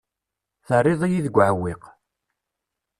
Terriḍ-iyi deg uɛewwiq.